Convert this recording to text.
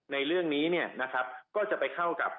ในเรื่องนี้เนี่ยนะครับก็จะไปเข้ากับ